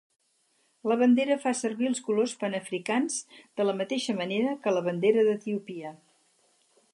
La bandera fa servir els colors panafricans, de la mateixa manera que la bandera d'Etiòpia.